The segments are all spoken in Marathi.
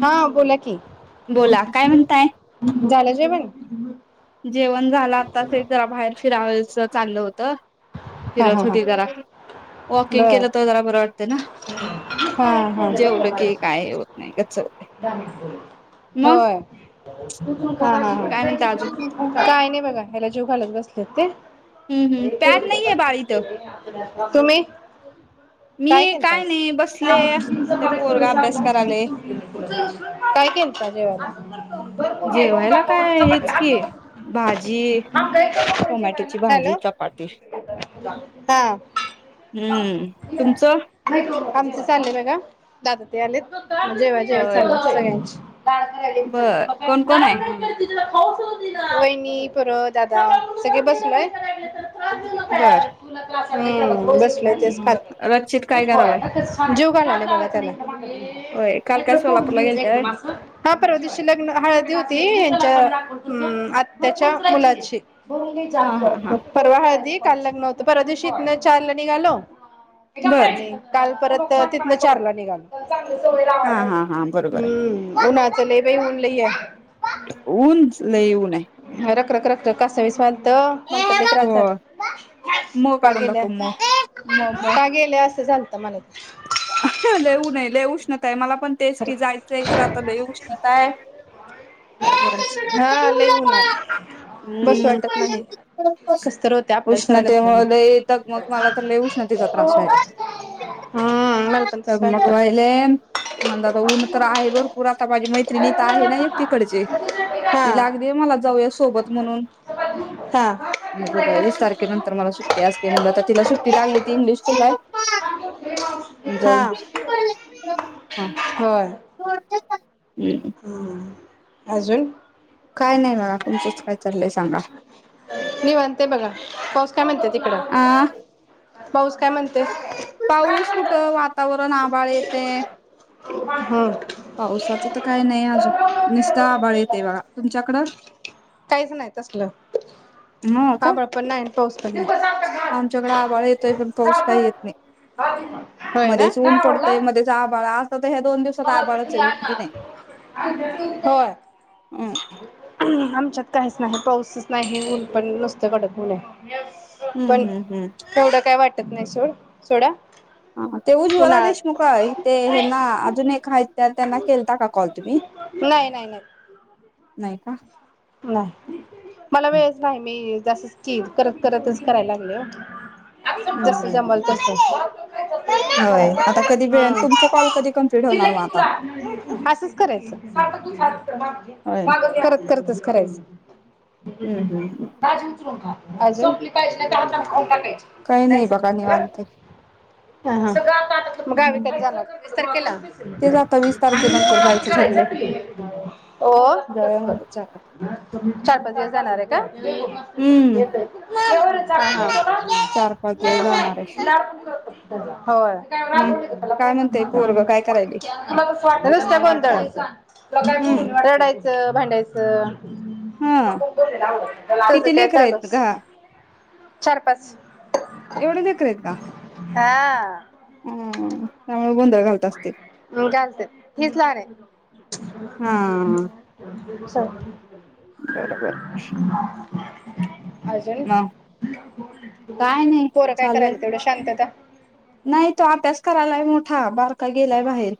हा बोला की, बोला काय म्हणताय? इलं [unintelligible] जेवण झालं आताच एक जरा बाहेर फिरायच चाललं होत. हा हा फिरत हा होती जरा वॉकिंग बर केलं तर जरा बर वाटत ना हा हा जेवलं की, काय होत नाही गच्च होते मग होय. म्हणता अजून काय नाई बघा? ह्याला जेवू घालत बसले होते. हम्म हम्म लई पॅड कोरडी नाहीये बाळ इथं चपाती [unintelligible] तुम्ही? मी केलता काय आज नाही? बसले आता पोरगा अभ्यास करायले काय केलता जेवायला? [unintelligible] जेवायला काय हेच की भाजी टोमॅटोची भाजी हॅलो चपाटी. हा हं. तुमचं? आमचं चालेय बघा. दादा त्या आले [unintelligible] जेव्हा जेवण होय झाले सगळ्यांची - - बर [unintelligible] मकाय कोण कोण आहे [unintelligible] वहिणी परत दादा सगळे बसलोय. बरं. हं. बसलोयं तेच खात. काय करायलाय जीऊ घालालोय बघा त्याला - - होय काल काय सोलापूरला गेलत्या व्हय हा परवा दिवशी लग्न हळदी होती. त्यांच्या आत्याच्या मुलाची. हा हा हा परवा हळदी- - काल लग्न होतं. परवा दिवशी हितनं चारला निघालो. बर आणि काल परत - - तर तिथनं चारला निघालो. हम्म हा हा हा बरोबर आहे उन्हात. तिथ लयं बाई उन लई हाय. ऊन लय उन हाय. कासावीस व्हाल - - त मला तर लई त्रास झाला. म का काढुन गेल्या दाखवं म म का गेल्या असं झालत मला लई ऊननाय लई उष्ण - - म काय मला - - तेच की खरंच जायचयं खरं आता उष्णता हाय. हा लय ऊन आहे बसू वाटत नाही हं. कस तर होतंय आपल्याला उष्ण - - सवय त्यामुळे नसल्यामुळं लई दगमग मला तर लई उष्णतेचा त्रास हाय. हम्म मला पण तसं दगमग व्हायलत व्हायलयं. म्हण दादा ऊन तर आहे भरपूर आता माझी मैत्रिणी इथं आहे ना एक तिकडची - - ती हा लागलीया मला जाऊ सो सोबत म्हणून हा म्हणलं बघूया वीस तारखे नंतर - - तर मला सुट्टी असते म्हटलं तर तिला सुट्टी लागली ती इंग्लिश स्कूलला हाय. जाऊ. हा [unintelligible] ह होय [unintelligible] ह ह अजून काय नाही बघा? तुमचंच काय चाललंय सांगा? [unintelligible] मी म्हणते बघा पाऊस काय म्हणते तिकडं? आ [unintelligible] पाऊस काय म्हणते? पाऊस कुठं? वातावरण आभाळ येतय हम् पावसाचं तर काय नाही? आजून नीस्ता आभाळ येतय बघा तुमच्याकडं? काहीच नाही तसलं हो का आभाळ पण नाही पाऊस पण नाही आमच्याकडे आभाळ येतोय पण पाऊस काय येत नाही? होय ना मध्येच ऊन पडतंय. मध्येच आभाळ तर ह्या दोन [unintelligible] दिवसात आभाळच आहे ऊन बी नाही होय हम्म आम त्याच्यात काहीच नाही पाऊसच नाही ऊन पण नुस्त कडक ऊन हाय [unintelligible] हम्म पण हम्म हम्म तेवढं काय वाट नाही सोड सोडा हा ते उज्वला देशमुख उन्हाळ्यात आहते हेना अजून एक हाय त्या त्यांना केलता का कॉल तुम्ही नाही नाही का नाय मला हम्म वेळच नाही मी असच की करत करतच कराय लागलोय औ ज हम्म [unintelligible] सं हम्म जमल तस होय आता कधी वेळ तुमचे कॉल कधी कम्प्लीट होणार मग आता? असंच करायच होय करत करत बंघ करायच हम्म हम्म काच उचलुन खा झोपली पाहिजे नाहीतर अभ्यास [unintelligible] काही नाही बघा निवांत [unintelligible] मग गावी कधी जाणार वीस तारखेला तेच आता वीस तारखेनंतर जायचं ठरलंय. हो जाऊया म्हणलं चार चार, पाच, दिवस जाणार हाय का? हम्म चार पाच दिवस जाणार आहे [unintelligible] होय मग रागवती कशाला काय प्रेमान म्हणतय सांग पोरगं काय करायलय? हम नुसता गोधंळ हाय हम्म रडायचं. त भांडायचं तर [unintelligible] [unintelligible] हा तेज किती काय लेकर आहेत चालूस का? चार, पाच एवढे लेकर आहेत का? हाहा हम्म त्यामुळे गोंधळ घालत असतील तर मी घालत हीच लहान आहे हा स बरोबर [inaudible] अजून मग काय नाही पोरं काय चालू आहे करायला एवढं शांतता. नाही तो अभ्यास करायलाय मोठा बारका गेलाय बाहेर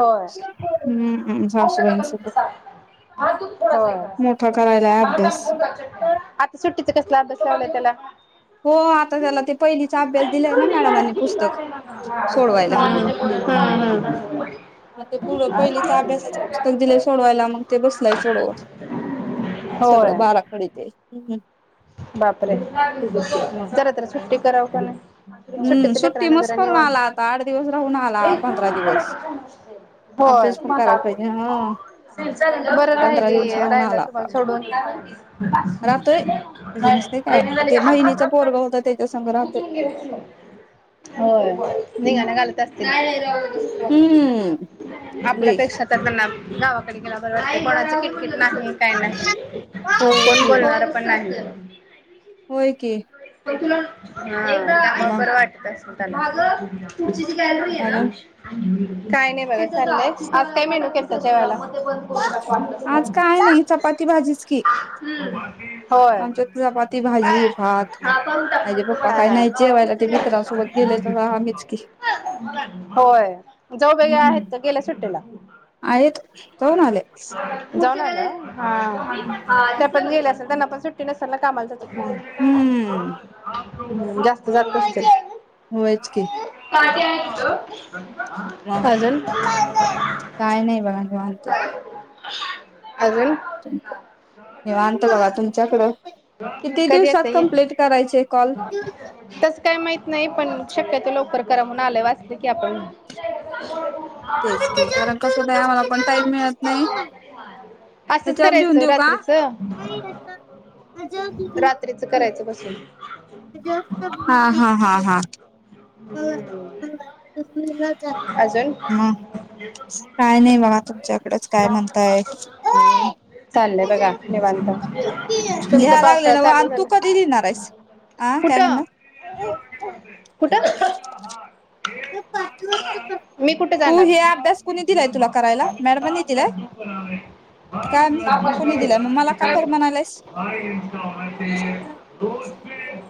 होय हम्म सासूबाईंसोबत मोठा करायलाय अभ्यास आता सुट्टीत कसला अभ्यास लावलं त्याला? हो आता त्याला ते पहिलीचा अभ्यास दिलाय ना मॅडमनी पुस्तक सोडवायला मग ते पहिलीच अभ्यासाच पुस्तक दिलंय सोडवायला मग ते बसलाय सोडवत होय सगळं बाराखडी तेन. बापरे! मग जरातर सुट्टी कराव काय नाही. हम्म सुट्टीच लेकरा सुट्टी न मस्त जरा करून निवांत आला आता आठ दिवस राहून आला पंधरा दिवस होय अभ्यास पण करायला पाहिजे हा बरं पंधरा राहिली दिवस राहून राहिला आला तुम्हाला आता सोडून. राहतोय त्याच नसते काय नाही झाली, ते हात हात बहिणच हात पोरग होत त्याच्या संग राहतोय. काढ. होय हम्म धिंगाणा घालत असतील हम्म वे आपल्यापेक्षा तर त्यांना गावाकडे गेला बर वाटतंय कोणाचं कस काय ना होय कोण की बोलणार पण नाही. होय की का मग बरं वाटत असलं. अग तुळशी ची अजून [unintelligible] काय नाही बघा चाललंय आज काय मेनु केलता जेवायला. आज काय नाही चपाती भाजीच की. होय आमच्यात चपाती हा भाजी भात. हा आज पप्पा काही नाही जेवायला ते मित्रांसोबत गेले तर आम्हीच की होय जाऊबाई आहेत हम् तर गेल्या सुट्टीला आहेत जाऊन आले. जाऊन आल्या होय. हा गेले असल त्यांना पण सुट्टीने कामाला जातात म्हणून. हम्म जास्त जात नसतील. होयच [unintelligible] [unintelligible] ह काय नाही बघा हे निवांत. [unintelligible] [unintelligible] च्याकडं किती कधी दिवसात येतं ये कम्प्लीट करायचे कॉल तस काय माहत नाही पण शक्यतो लवकर करा म्हून आलंय वाचत की आपण तेच ते कारण कस मला पण टाईम मिळत नाही असंच त्याच्यावर लिहून करायचं देऊ का रात्रीच करायचं बसून हा हा हा हा ह हम्म. अजून काय नाही बघा तुमच्याकडेच काय म्हणताय चाललंय बघा निवांत तुमचा लिहा पावसाळा लागलेला व चालू आणि तू कधी झाला देणार आहेस हं काय कुठं म्हणणार कुठं मी कुठे तू जाणार् हे अभ्यास कुणी दिलाय तुला करायला मॅडमांनी दिलाय काय मग कुणी दिलाय मग मला का कर म्हणालायस? [unintelligible]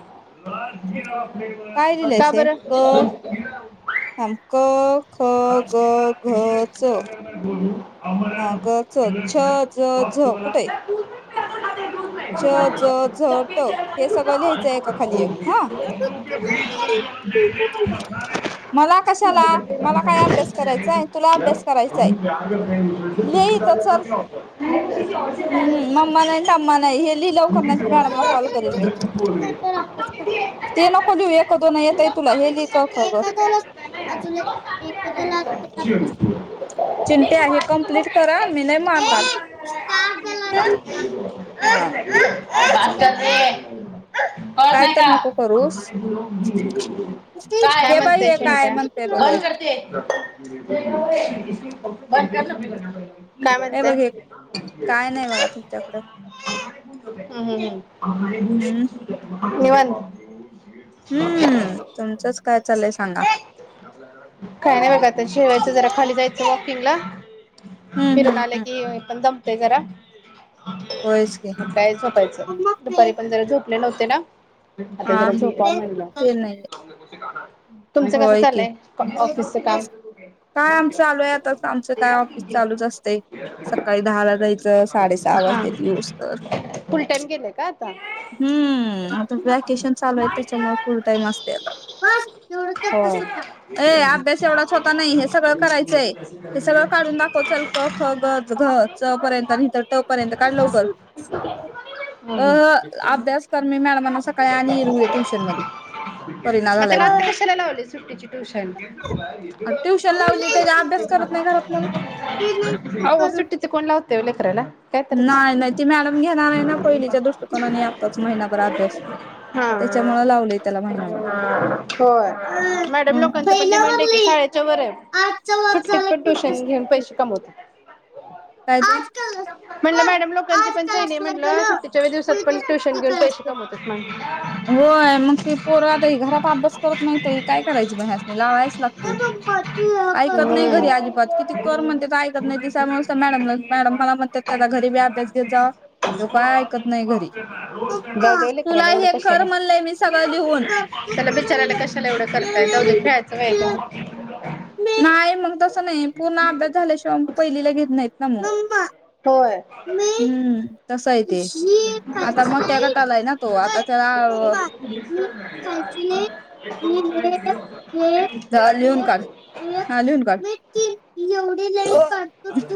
का बरं आम क ख ग राजगिरा घ इंग्लिश में च अगर मैं बोलूं हा अमरन ग च मिलक छ है ज वक्त झ वाला कुठे आहे च ज झ दोनों ट हे सगळं लिहायचंय एका खाली एक ह के बीच में जो दे दे वो मसाले मला कशाला मला काय अभ्यास करायचाय तुला अभ्यास हम करायचाय यहाँ कर रहे हैं दूसरे से लिही तुमको इथं चल क्या होता है नहीं मम्मा आणि तम्मा लि लवकर उनकी नाही सेवा से मॅडमला बैठ कॉल सकते हो करल जब तक बोल रही है हम तो म किसी एक से ते नको लिह ए दोन प्यार कर सकते हैं येतय जो तुला हे सारी लि दुनिया के लड़कियों से प्यार करता है ना यार जो सामने आ जाएगा अच्छी होनी चाहिए चिंट नहीं आहे तुम्हारी तो वो कंप्लीट करा कैटेगरी मी नाही थी मारत बस कर रे कळत काय नाही तर का नको करूस काय आहे हे बाई म्हणते हे काय चिंट्या म्हणते बघ हे बंद करते ह [unintelligible] [unintelligible] काय हे म्हणताय बघ हे काय नाही बघा तुमच्याकडे हह हम्म निवांत हम्म तुमचंच काय चालय सांगा काय नाही बघा आता जेवायचं जरा खाली जायचं वॉकिंग ला हम्म फिरून हम्म आले हम्म की जरा होयच की मग काय झोपायचं, दुपारी पण जरा झोपले नव्हते. ते ना. आता हा जरा झोपाव म्हणाल. ते नाही होय की. काम काय आमच चालू आहे आता आमच काय ऑफिस चालूच असतेय सकाळी दहाला जायचं साडे सहा हा वाजत्याती. इस्तवर. फुल टाइम गेलंय का आता हम् आता वॅकेशन चालू आहे त्याच्यामुळे फुल टाइम असतय आता. होय अभ्यास एवढाच होता नाही हे सगळं करायचंय हे सगळं काढून दाखव चल ख ग घ च पर्यंत तर ट पर्यंत. अ मग अभ्यास कर मी मॅडमांना सकाळी आणि येल उद्या ट्युशन मध्ये करिना झालाय आता म्हणून. त्याला लावली सुट्टीचे ट्युशन. ट्युशन लावली त्याचा अभ्यास करत नाही घरात मग. आवो सुट्टीचे कोण लावतय वो लेकराला? काय तरच नाही नाही ती मॅडम घेणार आहे ना पहिलीच्या दृष्टकोनाने आताच महिनाभर अभ्यास, त्याच्या हा मुळे लावलिय त्याला महिनाभर. होय मॅडम लोकांचं पण डिमांड आहे की शाळेच्या वर आहे. सुट्टीत पण ट्युशन घेऊन पैसे कमवतात. काय ते आजकाल म्हटलं पण मॅडम लोकांची पण आजकाल चयनी आहे असलं म्हटलं, गेलं सुट्टीच्या की दिवसात पण उद्या ट्युशन सुट्टी घेऊन काय पैसे असतं कमवतात. म्हण होय मग ती पोर आता घरात अभ्यास करत नाहीत काय करायचं म ह्यासनी लावायच लागत, ऐकत नाही घरी हम्म. अजिबात किती कर म्हणते ऐकत नाहीती छोटे छोटे त्यामुळे मॅडम दाने मिलने मॅडम पर मला म्हणत्यात - त्याचा पैकेट में घरी बी डालना अभ्यास घेत जावा, चीज ह्यो उसको काय ऐकत आपने नाही घरी. पफ करना है रोज जाऊ दे ओ तुला लेकराला एवढं हे- कर कशाला म्हणलंय मी सगळं लिहून. त्याला बिचारायला कशाला एवढं करताय जाऊ दे खेळायचं वय आहे त्याचं. नाही मग तसं नाही, पूर्ण अभ्यास झाल्याशिवाय पहिलीला घेत नाहीत ना मग. हम्. आसं आहे ते. आता मोठ्या गटाला आहे ना तो आता त्याला जा लिहून काढ हा लिहून काढ. होय.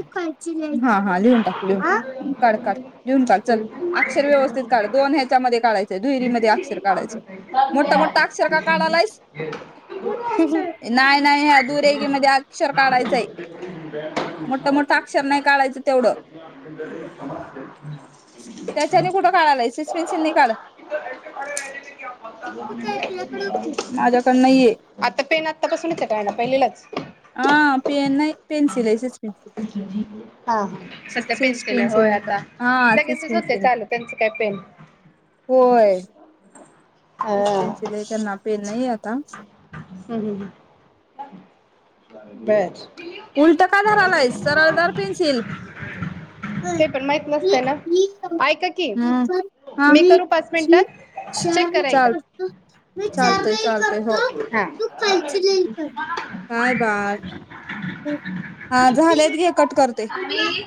हा हा लिहून टाक. काढ काढ लिहून काढ चल अक्षर व्यवस्थित काढ दोन ह्याच्यामध्ये काढायचंय दुहेरी मध्ये अक्षर काढायचं. मोठ-मोठ अक्षर का काढालाईस? नाही नाही ह्या दुरेगी मध्ये अक्षर काढायचय. आता मोठं- मोठ अक्षर नाही काढायचं तेवढं. त्याच्याने कुठं काढायलाय पेन्सिल नाही काढ [unintelligible] माझ्याकडे नाहीये आता पेन आतापासूनच आहे का यांना पहिली लाच? ह पेन नाही. पेन्सिल आहे शीस पेन्सिल. हा ह सध्या सिस पेन्सिल होय नाही का आता, हा सिस लगेचच होतय पेन्सिल चालू त्यांचं काय पेन. शीस हा पेन्सिल हे त्यांना पेन नाही आता, बर उलट कायधरालायस सरळ धर पेन्सिल ह ते पण माहित नसतंय ना ऐका की मी करू पाच मिनिटात चेक करा एकदा चालतय चालतय हा हो काय बाळ हा झालेत गे कट करतेय आम्ही